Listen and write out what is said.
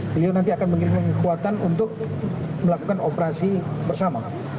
beliau nanti akan mengirimkan kekuatan untuk melakukan operasi bersama